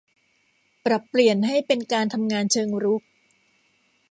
ปรับเปลี่ยนให้เป็นการทำงานเชิงรุก